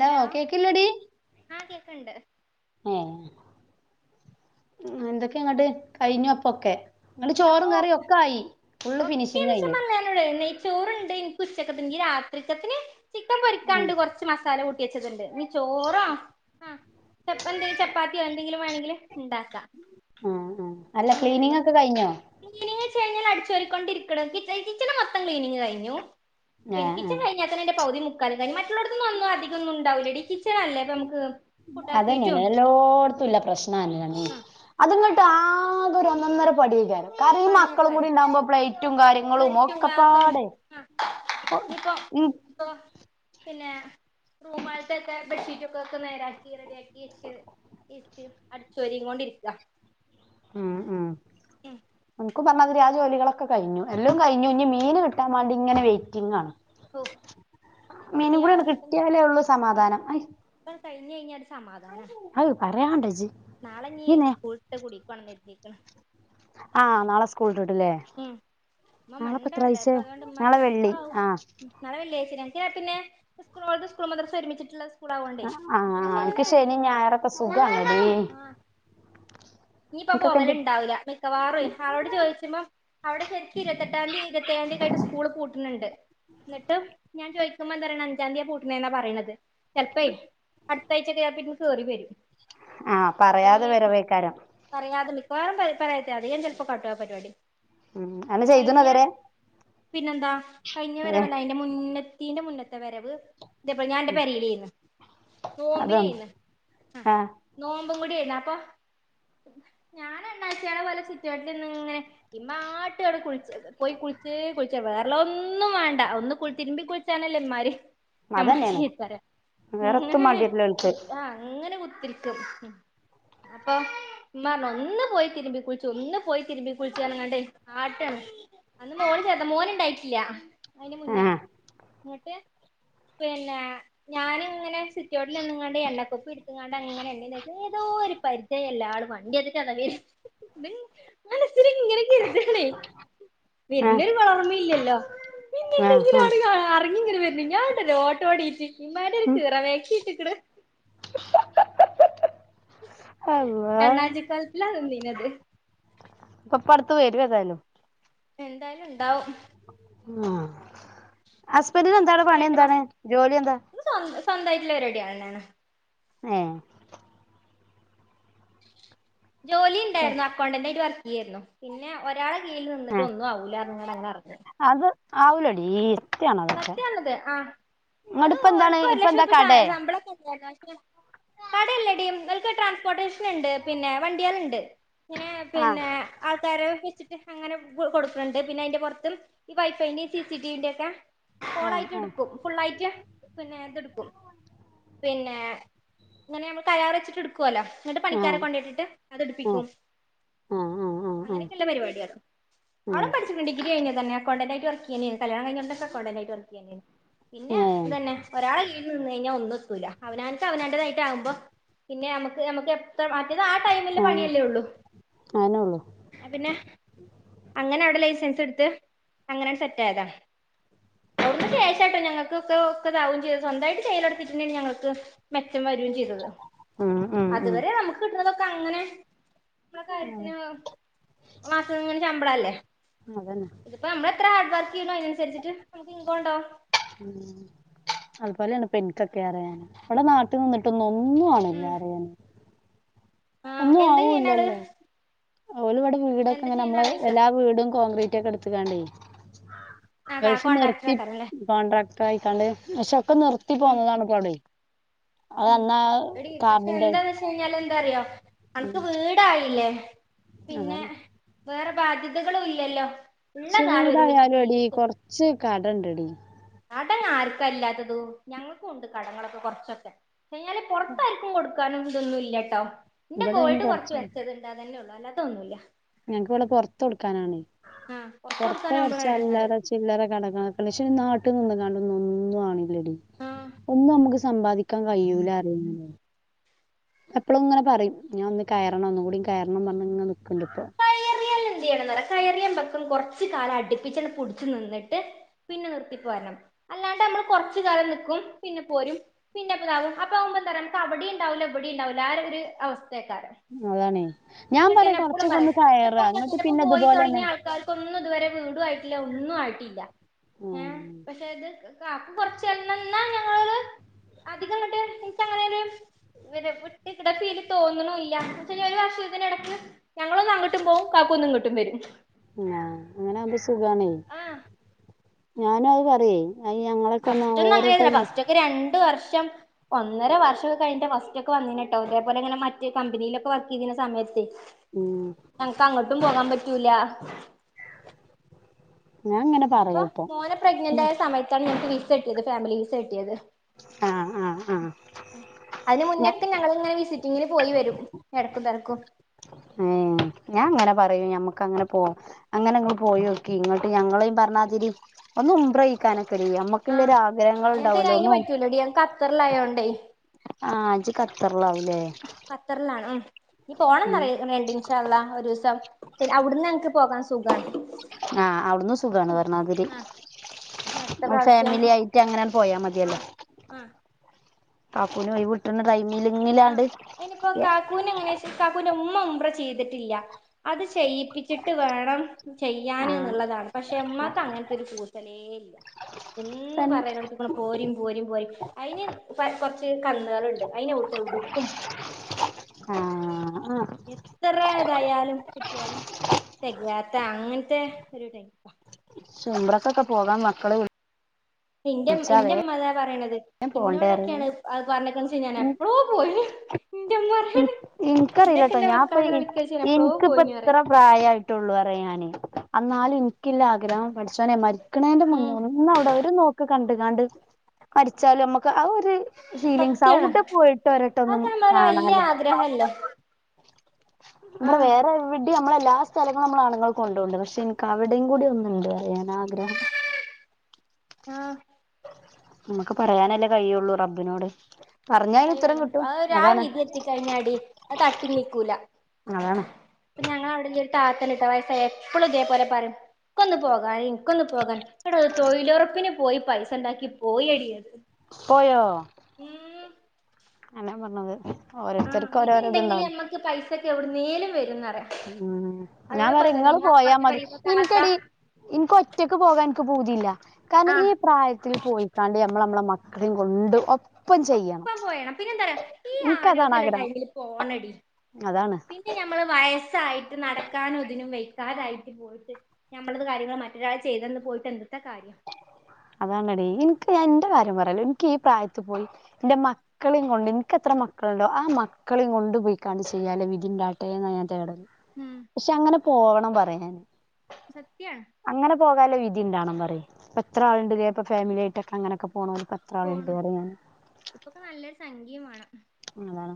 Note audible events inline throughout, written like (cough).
Hello ആഹ് കേക്ക്ണ്ട്. ഏഹ് എന്തൊക്കെയാ ഇങ്ങട്ട്, കഴിഞ്ഞ് അപ്പൊക്കെ. ഇങ്ങട്ട് അപ്പൊ ചോറും കറിയും ഒക്കായി. ഫുള്ള് ഫിനിഷിങ് കഴിഞ്ഞു. (unintelligible) നെയ് ചോറ് ണ്ട് ഇൻക്ക് ഉച്ചക്കത്തിന് ഇഞ്ഞ് രാത്രിക്കത്തിന് ചിക്കൻ ഉം, പൊരിക്കാണ്ട് കൊർച്ച്. ച്ച് മസാല കൂട്ടി വെച്ചത്ണ്ട് ഇഞ്ഞ് ചോറാ, ചപ് എന്തെ ചപ്പാത്തിയോ എന്തെങ്കിലും വേണങ്കിൽ ഇണ്ടാക്കാ. ആഹ് ആഹ്. അല്ല ക്ലീനിങ് ഒക്കെ കഴിഞ്ഞോ? ക്ലീനിങ്ച്ച് കഴിഞ്ഞാൽ അടിച്ചോരിക്കൊണ്ടിരിക്ക്ണ്. കിച്ച കിച്ചൺ മൊത്തം ക്ലീനിങ് കഴിഞ്ഞു. ആ പിൻ ആ കിച്ചൺ കഴിഞ്ഞാ തന്നെ ഇന്റെ പൗതി മു ക്കാല് കഴിഞ്ഞു. മറ്റുള്ളോട്ത്ത്ന്നൊന്നും അധികം ഒന്നും ഉണ്ടാവുലെടി. കിച്ചണല്ലേ അപ്പം നമക്ക്, ഫുഡ് ആക്കീട്ടും എല്ലോട്ത്തുള്ള പ്രശ്നാണ്യേണി അത്ങ്ങട്ട് ആകെ ഒര് ഒന്നൊന്നര പഠിയേക്കാരം. കാര്ണം ഈ മക്കളും പണിയക്കാര കൂടി ഉണ്ടാവുമ്പോ പ്ലേറ്റും കാര്യങ്ങളും പ്ലേറ്റും ഗ്ലാസും ഒക്കെപ്പാടെ. ആഹ് ഇപ്പൊ ഇനിയിപ്പോ ഇ (unintelligible) പിന്നെ റൂമോൾത്തൊക്കെ ബെഡ്ഷീറ്റൊക്കെ ഒക്കെ നേരാക്കി റെഡിയാക്കി വെച്ച് ' (unintelligible) 'അടിച്ചോരിങ്ങാ ണ്ടിരിക്കാ ഉം ഉം ഉം എനക്കും പറഞ്ഞാതിരി ആ ജോലികളൊക്കെ കഴിഞ്ഞു, എല്ലും കഴിഞ്ഞു ഇഞ്ഞ് മീന് കിട്ട കിട്ടാൻ വേണ്ടി ഇങ്ങനെ വെയ്‌റ്റിംഗ് (inaudible) ഇനി മീനും കൂടി കിട്ടിയാലോള്ളു സമാധാനം. ഇപ്പണ്ട് കഴിഞ്ഞ് കഴിഞ്ഞാൽ സമാധാനാ അത് പറയാണ്ട ഇജ്ജ് നാളെ ഇഞ്ഞ് ഇയ്യ് സ്കൂൾ ഇന്റെ കുടിക്ക് പോണന്ന് കരുതിക്ണ്. ആഹ് നാളെ സ്കൂൾ വിട്ടിട്ട്ല്ലേ. ഉം ഉമ്മമ്മണ്ട് അടെ അപ്പോ അതൊണ്ട് ഉമ്മാക്ക് നാളെ വെള്ളി എടങ്ങാറാവും. ആഹ് നാളെ വെള്ളിയാഴ്ച്ചല്ലേ ഞങ്ങൾക്ക് പിന്നെ സ്കൂളും ഓൾത് സ്കൂൾ മദ്റസയും ഒരുമിച്ചിട്ടുള്ള സ്കൂളാവോണ്ടേ നമുക്ക് പിന്നെ ആഹ് ശനി അൻക്ക് ഞായർ ശനിം ലീവ് കിട്ടും ഞായറൊക്കെ സുഖാണടി. ഇഞ്ഞ് ഇപ്പോ പോകല് ഇന്റെ ഇണ്ടാവില്ല,. മിക്കവാറും ആളോട് ചോദിച്ചുമ്പം അവിടെ ശരിക്ക് ഇരുപത്തെട്ടാംതി ഇരുപത്തേയാം തീയതി ഒക്കെ ആയിട്ട് സ്കൂള് പൂട്ട്ണണ്ട്. എന്നിട്ടും ഞാൻ ചോദിക്കുമ്പോ എന്താ പറയണത് അഞ്ചാന്തിയാ പൂട്ടുന്നത് എന്നാ പറയണത്. ചെലപ്പേ അടുത്ത ആഴ്ചക്കെ പിന്നെ കേറി വരും. ആഹ് അപ്പൊ പറയാതെ ഇനി വരവേക്കാരം. പറയാതെ മിക്കവാറും പറയാതെ അധികം ചിലപ്പോ കാട്ടും ആ പരിപാടി. ഉം അന്നെ ചെയ്ത്ണോ കഴിഞ്ഞ ഇതുവരെ പിന്നെന്താ കഴിഞ്ഞ അതെ വരവ ലാ അ ന്റെ മുന്നത്തിന്റെ മുന്നത്തെ വരവ് ഞാൻ എന്റെ പെരേലേന്ന് അതാണ് നോമ്പിനേന്ന് ആഹ്. നോമ്പും കൂടിയേന്ന് അപ്പോ ഞാൻ അണ്ണാച്ച്യളെ പോലെ സിറ്റോട്ടില് ഇരുന്ന് ഇങ്ങനെ ഉമ്മ ആട്ട കുളിച്ച് പോയി കുളിച്ച് കുളിച്ച് വേറെള്ളതൊന്നും വാണ്ട ഒന്ന് തിരുമ്പി കുളി ച്ചാണല്ലോ ഇമ്മാര് നമ്മളെ അതന്നേണ് ചീത്ത പറ്യ വേറെത്തും മാണ്ടിവരില്ല ഓൽക്ക് ആഹ് അങ്ങനെ കുത്തിരി ക്കും, അപ്പോ ഉമ്മ പറഞ്ഞ് ഒന്ന് പോയി തിരുമ്പി കുളിച്ച് ഒന്ന് പോയി തിരുമ്പി കുളിച്ച്. പറഞ്ഞാണ്ട് ആട്ടാണ് അന്ന് മോന് ചെറുതാ മോന് ഇണ്ടായിട്ടില്ല, അതിന് മുന്നേണ്. ആഹ് ഇന്നട്ട് പിന്നെ ഞാന് ഇങ്ങനെ സിറ്റോട്ടിൽ നിന്ന്കാണ്ട് എണ്ണ ക്കുപ്പി എടുത്ത് ങ്ങാണ്ട് അങ്ങനെ എണ്ണിം തേച്ച് ഏതോ ഒരു പരിചയള്ള ആൾ വണ്ടിട്ട (unintelligible) (inaudible) മനസ്സിൽ ഇങ്ങനെ കരുതാണ്. ആഹ് വരുന്നൊരു കൊളർമ്മിം ഇല്ലല്ലോ പിന്നെ ആഹ് എന്തെങ്കിലും ആഹ് അറിയോ അറങ്ങി ഇങ്ങനെ വരുന്നു ഞാൻ ഓട്ടോടിട്ട് ഇമ്മാന്റൊരു ഒരു ഉം കീറ മാക്സി ഇട്ട്കണ്. (inaudible) അണ്ണാച്ചി കോലത്തിലാ നിന്നിന്നത്. ഇപ്പ ഇപ്പടുത്ത് വരും ഏതായാലും. നിഎന്തായാലും ഉണ്ടാവും. ആഹ് ഹസ്ബൻഡിന് എന്താ അവിടെ ഇപ്പൊ പണി രണ്ട് എന്താണ്? മാസം ജോലി എന്താ? സ്വന്ത സ്വന്തയിട്ടുള്ള പരിപാടി ആണ്. ഏഹ് ജോലിണ്ടായിരുന്നോ അകൗണ്ടൻ്റൊയിട്ട് വർക്ക് ചെയ്യായിരുന്നു പിന്നെ ഒരാളെ കീഴിൽ നിന്നട്ട് ഏഹ് ഒന്നു ആവുലാറഞ്ഞിങ്ങാണ്ട് അങ്ങനെ അറങ്ങി അത് ആവൂലടീ സത്യംന്നത് ആ അത് ഇങ്ങട് ഇപ്പ എന്താണ് ഓല്ക്ക് ഒരു ഇപ്പ ലക്ഷം എന്താ രൂപ കടേ ശമ്പളമക്കെ ഉണ്ടായി (unintelligible) കട ല്ലടി ഓല്ക്ക് ട്രാൻസ്പോർട്ടേഷൻണ്ട് പിന്നെ വണ്ടിയാ ള്ണ്ട് ഇങ്ങനെ ആഹ് പിന്നെ ആൾക്കാരെ വെച്ചിട്ട് അങ്ങനെ കൊടുക്കുന്നുണ്ട് പിന്നെ അയിന്റെ പൊറത്ത് ഈ വൈഫൈന്റെയും സിസി ടിവിന്റെ ഒക്കെ ആഹ് കോളായിട്ട് ആഹ് എടുക്കും ഫുള്ളായിറ്റ് പിന്നെ ഇതെടുക്കും പിന്നെ ഇങ്ങനെ നമ്മൾ കരാർ വെച്ചിട്ട് എട് ക്കല്ലോ എന്നിട്ട് പണിക്കാരെ ആഹ് കൊണ്ടട്ടിട്ട് ആഹ് അതെടുപ്പിക്കും ആഹ് ആഹ് ആഹ് ആഹ് അങ്ങനൊക്കെല്ല പരിപാടിയാത് അവള് ഉം പഠിച്ചിണ്ട് ഡിഗ്രി കഴിഞ്ഞതെന്നെയാ അക്കൗണ്ടന്റായിറ്റ് വർക്ക് ചെയ്യ (unintelligible) കല്യാണം കഴിഞ്ഞ ഒടനെ അക്കൗണ്ടന്റായിട്ട് വർക്ക് ചെയ്യ (unintelligible) പിന്നെ ഏഹ് ഇതെന്നെ ഒരാളെ കീഴില് നിന്ന് കയിഞ്ഞാ ഒന്നും എത്തൂലാ അവനാൻക്ക് അവനാൻ്റതായിട്ടാവുമ്പം പിന്നെ നമ്മക്ക് നമ്മക്ക് എപ്പ് (unintelligible) മറ്റേത് ആ ടൈമില്ള്ള ഉം പണിയല്ലേ ഉള്ളൂ അയന്നൊള്ളു അ പിന്നെ അങ്ങനെ അവിടെ ലൈസൻസ് എടുത്ത് അങ്ങനാണ്ട് സെറ്റ് ആയതാ അവിടുന്ന് (unintelligible) ഞങ്ങക്ക് ക്കെ ഒക്കെ ഇതാവും ചെയ്തു സ്വന്തായിട്ട് ചെയ്യല് (unintelligible) ഞങ്ങക്ക് മെച്ചം വെരും ചെയ്തു ഉം (unintelligible) ഉം ഉം അതുവരെ നമ്മക്ക് കിട്ടണതൊക്കെ അങ്ങനെ നമ്മളെ ഉം കാര്യത്തിന് മാസ ഇങ്ങനെ ശമ്പളല്ലേ അതന്നെ (unintelligible) പ്പ നമ്മള് എത്ര ഹാർഡ് വർക്കെയ്യ്ണ് യ് അയ്നൻസരിച്ച് നമ്മുക്ക് ഇൻകം ഉണ്ടാകും. ഇൻകം. ഉം അതുപോലെയാണ് ഇപ്പ ഇൻകൊക്കെ അറിയാന് ഇപ്പളും നാട്ടില് നിന്നിട്ട് ട്ടൊന്നും ഒന്നും ആവണില്ല ഉം അറിയാന് ആഹ് ഒന്നും എന്താ ചെയ്യണാള് ആവൂല്ലല്ലോ ഓല് ഇവിടെ വീടൊക്കെങ്ങനെ അമ്മള് ആള് ചോയിക്കാ എല്ലാ വീടും കോൺക്രീറ്റ് ഒക്കെ എടുത്ത് ത്ത്ങ്ങാണ്ടേ ആഹ് ഗൾഫ് കോൺട്രാക്ടർ നിർത്തി ആക്കാരല്ലേ കോൺട്രാക്ടർ ആയിക്കാണ്ട് പക്ഷെ ഒക്കെ നിർത്തി ഉം പോന്നതാണ് ഇപ്പവടെ ഉം എടി പക്ഷെ കാർഡിന്റെ എന്താന്നെച്ചാ കഴിഞ്ഞാല് എന്താറിയോ ഉം അനക്ക് വീടായില്ലേ പിന്നെ അതാണ് വേറെ ബാധ്യതകളും ഇല്ലല്ലോ ഉള്ള പക്ഷെ കാലം ഒരുമിച്ച് വീടായാലും എടി ജീവിച്ചോ കൊറച്ച് കടണ്ടെടീ കട ആർക്കാ ഇല്ലാത്തത് ഞങ്ങൾക്കും ഉണ്ട് കടങ്ങളൊക്കെ കൊറച്ചൊക്കെ കഴിഞ്ഞാല് പൊറത്താര്ക്കും കൊട് കൊടുത്ത ക്കാനും ഇതൊന്നുല്ലാട്ടോ ഇന്റെ ഇവിടെ അയിന് ഗോൾഡ് കൊറച്ച് വെച്ചത്ണ്ട് അതന്നെ ഉള്ളു അല്ലാതൊന്നുല്ലാ ഞങ്ങക്ക് ഇവിടെ പൊറത്ത് കൊടുക്കാനാണ് ആഹ് പുറത്ത് പൊറത്ത് കൊടുക്കാനാവുമ്പളാ എടങ്ങേറ് മേടിച്ചല്ലാതെ ചില്ലറ കടങ്ങളൊക്കെ പക്ഷെ ഇനി നാട്ട് നിന്നും കാണ്ട് ഒന്നും ആവില്ലെടി ഒന്ന് നമ്മക്ക് സ് സമ്പാദിക്കാൻ കയ്യൂലാ പറിയും ഇങ്ങനെ എപ്പളും ഇങ്ങനെ പറയും ഞാൻ ഒന്ന് കയറണം ഒന്നു കൂടി കയറണം പറഞ്ഞ് ഇങ്ങനെ നിക്ക്ണ്ട്പ്പം കയറിയാല് എന്ത് ചെയ്യണന്ന് അറിയോ കയറിയാല്മ്പക്ക് കൊറച്ച്കാലം അടിപ്പിച്ചാണ്ട് പുടിച്ചു നിന്നിട്ട് പിന്നെ നിർത്തിപ്പോരണം അല്ലാണ്ട് അമ്മള് കൊറച്ച് കാലം നിക്കും പിന്നെ പോരും പിന്നെ ഇപ്പ ഇതാവും അപ്പ ആവുമ്പം എന്താറിയോ നമുക്ക് അവിടെ ഇണ്ടാവൂല്ലാ ഇവിടെ ഇണ്ടാവൂല്ലാ (unintelligible) ആ ഒരു അവസ്ഥക്കാരം അതാണേ ഞാൻ പറയാ കൊറച്ചൊക്കെ ഒന്ന് കയറണ ഇന്നട്ട് പിന്നെ ഇതുപോലെന്നെ ക്കാർക്കൊന്നും ഇതുവരെ വീടു ആയിട്ടില്ല ഒന്നും ആയിട്ടില്ല ആ ഏഹ് പക്ഷെ ഇത് (unintelligible) ആഹ് (unintelligible) ഇന്നാ ഞങ്ങള് അധികങ്ങട്ട് (unintelligible) (unintelligible) ഫീൽ തോന്നണൂല്ലാ (unintelligible) ഒരു വർഷത്തിന് എടക്ക് ഞങ്ങളൊന്ന് അങ്ങട്ടും പോവും കാക്കു ഒന്ന്ങ്ങട്ടും വരും ആഹ് അങ്ങനാവുമ്പോ സുഖാണേ ആഹ് ഞാനും അത് പറയെ അത് ഞങ്ങളൊക്കെ ഒന്ന് (unintelligible) ക്ക് രണ്ട് വർഷം ഒന്നര വർഷൊക്കെ കഴിഞ്ഞിട്ടാ ഫസ്റ്റ് ഒക്കെ വന്നീനെട്ടോ ഇതേപോലെ ഇങ്ങനെ മറ്റ് കമ്പനിയിലൊക്കെ വർക്ക് ചെയ്യണ സമയത്തെ ഉം ഞങ്ങക്ക് അങ്ങട്ടും പോകാൻ പറ്റൂലാ ഞാ ഇങ്ങനെ ഇപ്പം പറയും ഇപ്പൊ മോനെ പ്രഗ്നന്റ് ആയ സമയത്താണ് ഞങ്ങക്ക് വിസ കിട്ടിയത് ഫാമിലി വിസ കിട്ടിയത് ആ ആ ആ അതിന് ഞ മുന്നെക്കെ ഞങ്ങളിങ്ങനെ വിസി ഇങ്ങനെ പോയി വരും ഇടക്കും തരക്കും അയൊ ഞാൻ അങ്ങനെ പറൂ ഞമ്മക്ക് അങ്ങനെ പോ അങ്ങനെ അങ്ങ് പോയൊക്കി ഇങ്ങോട്ട് ഞങ്ങള് പറഞ്ഞാതിരി ഒന്നുംബ്രയിക്കാനൊക്കെല്ല് ഞമ്മ ആഹ് ക്കിലെഒരു ആഗ്രഹങ്ങൾ ഞങ്ങക്ക് ഉണ്ടാവല്ലോ അയിന് ഒന്നു പറ്റൂലടി ഞങ്ങക്ക് ഖത്തറിലായോണ്ടേ ആ ഇജ് കഖത്തറിലാവൂല്ലേ കത്തറിലാണ് ഉം ഇനീ പോണംന്ന്റയെ രണ്ടിന്ഷആള്ള ഒരുസം അവിടുന്ന് ഞങ്ങക്ക് പോകാ ആഹ് അവിടുന്ന് സുഖണ് വരണാതിരി ആഹ് ഇനി അടുത്ത ആ പ്രാവശ്യം ഫാമിലി ആയിട്ട് അങ്ങനണ് പോയാ മതിയല്ലോ ആഹ് ആഹ് കാക്കൂന് കൈ വിട്ടുന്ന ടൈമിലിങ്ങിലാണ്ട് യെ കൂനങ്ങനെ ഇസ് കക്കുന്റെ ഉമ്മ ഉമ്പ്ര ചെയ്തിട്ടില്ല അത് ചെയ്യിപ്പിച്ചിട്ട് വേണം ചെയ്യാന് ആഹ് എന്നുള്ളതാണ് പക്ഷെ ഉമ്മക്ക് അങ്ങനത്തെ ഒരു കൂസാലേ ഇല്ല എന്ന് തൻ പറയാനടുപ്പളും പോരിം പോരിം പോയ് അയിന് പ കുറച്ച് കന്നുകളുണ്ട് അയിന് ഊട്ടും ടുക്കും ആഹ് ആഹ് എത്ര ഇതായാലും കിട്ടിയാലും തെകാത്ത അങ്ങനത്തെ ഒരു ടൈപ്പ ചുമമ്പ്രക്കൊക്കെ പോകാ മക്കളെ വിളി എന്റെ എന്റെമ്മതാ പറയണത് പോണ്ടേ പറയും ഇന്നോടൊക്കെയാണ് അത് പറഞ്ഞക്കന് ശനിഞാൻ എപ്പോളോ പോയി എന്റെ ഉമ്മ പറയാണ് ഇന്നൊക്കെ എനിക്കറിയില്ലട്ടോ ഇന്റെ ഞാഇപ്പ മക്കളങ്ങനെ എനി വിളിക്കലിച്ച് ഞാൻ എപ്പളോ എനിക്ക് ഇപ്പ പോയിന് ഇത്ര പറയും പ്രായയിട്ടുള്ളു പറയാനേ ആന്നാലും എനിക്കില്ല ആഗ്രഹം പഠിച്ചോനെ മരി ക്കന്നെന്റെ മുന്നെ ഉം ഒന്ന് അവിടെ അവര് നോക്ക് കണ്ട് കാണ്ട് മരിച്ചാലും നമ്മുക്ക് ആ ഒര് സത്യാണ് ഫീലിങ്സവിടെ പോയിട്ട് വരട്ടെ ഒന്നും കാണാല്ലോ ആഗ്രഹ ഇല്ലാ ഇവിടെ വേറെവി ട്ടി നമ്മളെല്ലാ സ്ഥലങ്ങളും നമ്മൾ ആണുങ്ങൾ കൊണ്ടോണ്ട് പക്ഷെ എനിക്ക് അവിടെേയും കൂടി ഒന്നുണ്ട് പറയാൻ ആഗ്രഹം ആഹ് നമുക്ക് പറയാനല്ലേ കഴിയുള്ളൂ റബ്ബിനോട് പറഞ്ഞാൽ അയിന് ഉത്തരം കിട്ടും അതാണ് കഴിഞ്ഞാടി അത് തട്ടി നീക്കൂല അതാണ് അപ്പ ഞൾ അവിടെല്യ ഒരു താത്തല്ലിട്ട വയസ എപ്പളും ഇതെ പോലെ പറം ഇക്കൊന്ന് പോകാ എനിക്കൊന്ന് പോകാൻ കേട്ടാ തൊഴിലുറപ്പിന് പോയി പൈസ ഉണ്ടാക്കി പോയെടി ആത് പോയൊ ഉം എല്ലാം പറഞ്ഞത് ആ ഓരോരുത്തർക്ക് ഇത് ഓരോരോ ഇണ്ടെങ്കിൽ ഇതുണ്ടാവല്ലോ നമ്മക്ക് പൈസക്കെ എവിടുന്നേലും വരുന്നറേ ഉം ഞാൻ പറെ ഇങ്ങള് പോയാ അപ്പറത്തെ മതി പെരേത്തെ താത്ത ഇനിക്കടി എനിക്ക് ഒറ്റക്ക് പോകാ എക്ക് പൂതിയില്ല കാരണം ഈ ആഹ് പ്രായത്തിൽ പോയി കാണ്ട് നമ്മൾ നമ്മളെ മക്കളെയും കൊണ്ട് ഒപ്പം ചെയ്യണം ഒപ്പം പോയണം പിന്നെ എന്താ പറയാ ഈ ഇൻക്കതാണ് ആരോഗ്യഉള്ള ആഗ്രഹം ടൈമില് പോണടി അതാണ് പി ന്നെ നമ്മള് വയസ്സായിട്ട് നടക്കാനും ഇതിനും വെക്കാതായിട്ട് പോയിട്ട് ഞമ്മളത് കാര്യങ്ങൾ മറ്റൊരാൾ ചെയ്തെന്ന് പോയിട്ട് എന്തുട്ട കാര്യം അതാനടി എനിക്ക്ഞാ എന്റെ കാര്യം പറയാലോ എനിക്ക് ഈ പ്രായത്തിൽ പോയി എന്റെ മ മക്കളേം കൊണ്ട് എനിക്കത്ര മക്കളുണ്ടോ ആ മക്കളേം കൊണ്ട് പോയിക്കണ്ട് ചെയ്യാല് വിതിണ്ടാട്ടെ എന്നാ ഞാൻ തേടല്ല് ഉം പക്ഷെ അങ്ങനെ പോണം പറയാന് സത്യാണ്. അങ്ങനെ പോകാലെ വിധി ഇണ്ടാവണം പറ്യെ. എത്ര ആള്ണ്ട്ലേ ഇപ്പ ഫേമിലി ആയിട്ടൊക്കെ അങ്ങനൊക്കെ പോണോല്. ഇപെത്ര ആള്ണ്ട് പോണു അറ്യ ഞാന് ഇപ്പൊക്കെ നല്ലൊരു സംഖിം വാണം. അതാണ്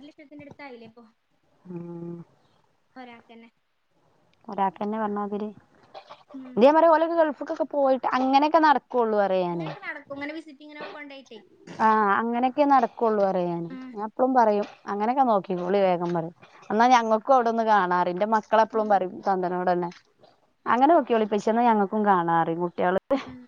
ഒരു ലക്ഷത്തിന്റെ അടുത്തായില്ലെ ഇപ്പൊ. ആഹ് ഒരാക്കെന്നെ ഒരാക്കെന്നെ പറഞ്ഞാതിരി. ഉം ഇതെമാരെ ഓല് ഗൾഫിക്കൊക്ക പോയിട്ട്. അങ്ങനെയൊക്ക നട ക്കൊള്ളൂർ അങ്ങനൊക്കെ നടക്കും. ഇങ്ങനെ വിസിറ്റിങ്ങിനൊക്കെ കൊണ്ടോയിട്ടെ. ആഹ് അങ്ങനൊക്കെ നടക്കൊള്ളു പറയെ ഞാന്. ഉം ഞാൻ എപ്പളും പറയും. അങ്ങനൊക്കെ നോക്കിക്കോള്ളി. വേഗം പറയും. അന്നാ ഞങ്ങക്കും അവിടൊന്ന് കാണാറിം. ഇന്റെ മക്ക മക്കള് എപ്പോളും ഉം പറയും തന്തനോടെന്നെ. അങ്ങനെ നോക്ക്യാേളി ഇപ്പച്ചിനെ ഞങ്ങക്കും കാണാറി കുട്ട്യേള് ഉം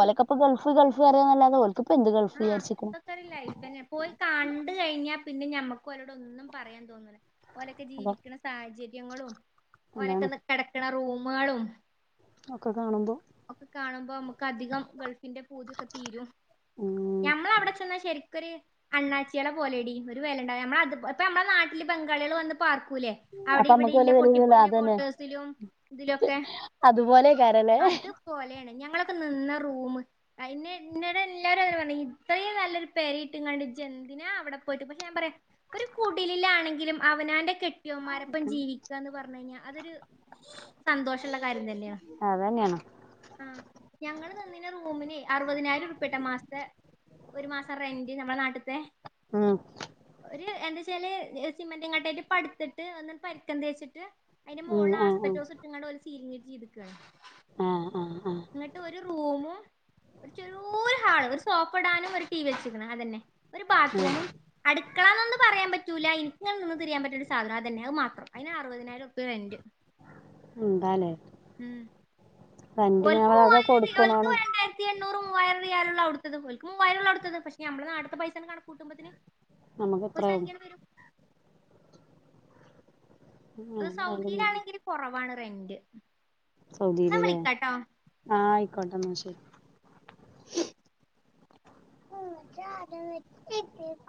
ഓലെക്കെ ഗൾഫ് ഗൾഫ് അറിയാ ന്നല്ലാതെ ഓല്ക്കപ്പെന്ത് ഗൾഫ് വിചാരിച്ചിരിക്ക്ണ്. അതൊരു ലൈഫെന്നെ. പോയി കാണ്ട് കഴിഞ്ഞാ പിന്നെ ഞമ്മക്കും അവരോട് ഒന്നും പറയാൻ തോന്നുല്ല. ഓലൊക്കെ അപ്പൊ ജീവിക്ക്ണ സാഹചര്യങ്ങളും. ഓലൊക്കെ അതാണ് നി കെടക്ക്ണ റൂമേളും. ഒക്കെ കാണുമ്പോ. ഒക്കെ കാണുമ്പോ നമുക്ക് അധികം ഗൾഫിന്റെ പൂതി ഒക്കെ തീരും. ഉം ഞമ്മള് അവിടെ ചെന്നാ ശെരിക്കൊരു അണ്ണാച്യേളെ പോലെടി. ഒരു വെലയുണ്ടാവുല. നമ്മളത് ഇപ്പ നമ്മടെ നാട്ടില് ബംഗാള്യേള് വന്ന് പാർക്കൂല്ലേ. അവിടെ അപ്പൊ ഇവിടെ അമ്മക്ക് ഇല്ല വല്ല വെലയില്ലല്ലോ പൊട്ടിപ്പൊൾഞ്ഞ ക്വാർട്ടേഴ്സിലും ഇതിലൊക്കെ. അതുപോലെ അതുപോലേണ് ഞങ്ങളൊക്കെ നിന്ന റൂം. അയിന് ഇന്നട് എല്ലാരും അതു തന്നെ പറഞ്ഞ്. ഇത്രേയും നല്ലൊരു പെരിട്ട് ഇങ്ങാട്ട് ഇജെൻ പിന്നെ അവിടെ പോയിട്ട്. പക്ഷെ ഞാൻ പറയാ ഒരു കുടിലിലാണെങ്കിലും അവനാന്റെ കെ കെട്ട്യാേന്മാരെപ്പം ജീവിക്കാന്ന് പറഞ്ഞ് കഴിഞ്ഞാ അതൊരു സന്തോഷഇള്ള കാര്യം തന്നെയാ. അതെന്നേണ്. ആ ഞങ്ങള് നിന്നീന റൂമിന് അറുപതിനായിരം ഉറ്പ്യ ട്ടൊ മാസത്തെ ഒരു മാസം റെന്റ് നമ്മളെ നാട്ട്ത്തെ. ഉം ഒരു എന്താച്ചാല് സിമന്റ് കട്ടേല് പടുത്ത്ട്ട് ഒന്ന് പരിക്കൻ തേച്ചിട്ട്. അതിന്റെ മോള് ഉം ള് ആഹ് ആസ്പെറ്റോസ് ഇട്ട്ങ്ങാണ്ട് ഒരു സീരിങ്ങ് ചെയ്തക്കാണ്. ആഹ് ആഹ് ആഹ്. ഇങ്ങട്ട് ഒരു റൂമും ഒരു ചെറോരു ഹാളു ഒരു സോഫ ഇടാനും. ഒരു ടീ വി വെച്ചിരിക്ക്ണ് അതന്നെ. ഒരു ബാത്ത് ആഹ് റൂമും. അടുക്കളന്നൊന്ന് പറയാൻ പറ്റൂല്ല. എനിക്കിങ്ങനെ നിന്ന് തിരിയാൻ പറ്റുന്ന ഒരു സാധനം അതന്നെ അത് മാത്രം അയിന് അറുപതിനായി ഒറുപ്യ റെന്റ്. എന്താല്ലേ ഉം റെന്റി ഞമ്മഅതെ കൊടുക്കണാണ്. ത്തി എണ്ണൂറ് മൂവായിരം റിയാല്ള്ള ഔട്ത്തത്. ഓല്ക്ക് മൂവായിരം ഇള്ളവ്ട്ത്തത് പക്ഷെ നമ്മള് നാട്ടിത്തെ പൈസ ആ കണക്ക് കൂട്ടുമ്പോത്തിന് നമുക്ക് ഇത്രേ അത് സൗദിയിലാണെങ്കില് കൊറവാണ് റെന്റ്. ന്നാ സൗദീല് ലെ. വിളിക്കാട്ടോ ആഹ് ആയിക്കോട്ടെ ഇന്നാ ശരി. (unintelligible)